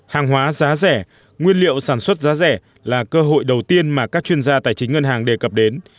hàng hóa giá rẻ nguyên liệu sản xuất giá rẻ là cơ hội đầu tiên mà các chuyên gia tài chính ngân hàng đề cập đến